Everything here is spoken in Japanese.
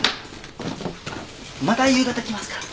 また夕方来ますから。